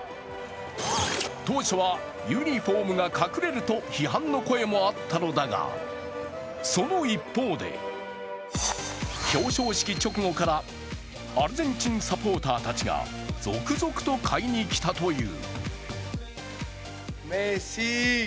当初はユニフォームが隠れると批判の声もあったのだが、その一方で、表彰式直後からアルゼンチンサポーターたちが続々と買いに来たという。